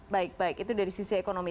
baik baik itu dari sisi ekonomi